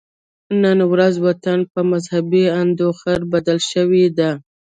نن ورځ وطن په مذهبي انډوخر بدل شوی دی